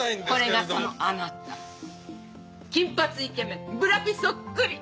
これがそのあなた金髪イケメンブラピそっくり。